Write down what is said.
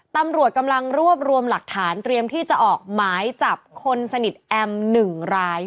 ตำรวจกำลังรวบรวมหลักฐานเตรียมที่จะออกหมายจับคนสนิทแอม๑ราย